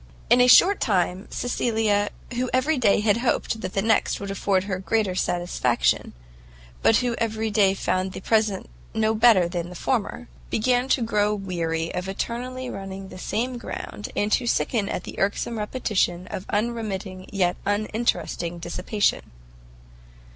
In a short time Cecilia, who every day had hoped that the next would afford her greater satisfaction, but who every day found the present no better than the former, began to grow weary of eternally running the same round, and to sicken at the irksome repetition of unremitting yet uninteresting dissipation.